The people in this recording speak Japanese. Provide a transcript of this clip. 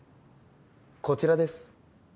こちらです。